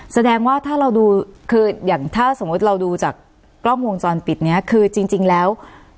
แสดงว่าถ้าเราดูคืออย่างถ้าสมมุติเราดูจากกล้องวงจรปิดเนี้ยคือจริงแล้ว